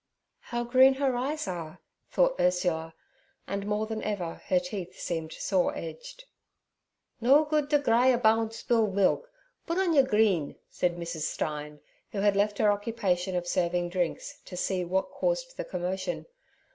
'How green her eyes are!' thought Ursula, and more than ever her teeth seemed saw edged. 'No good der cry aboud spilled milk. Pud on yer green' said Mrs. Stein, who had left her occupation of serving drinks to see what caused the commotion.